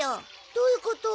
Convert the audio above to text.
どういうこと？